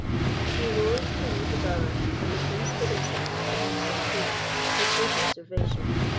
She rose to leave the bower, and the Prince hid himself behind some trees to escape observation.